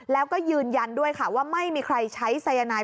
แล้วก็ยืนยันด้วยค่ะว่าไม่มีใครใช้สายนาย